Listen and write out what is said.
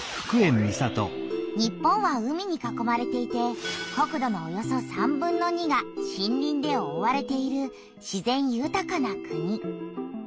日本は海に囲まれていて国土のおよそ３分の２が森林でおおわれている自然ゆたかな国。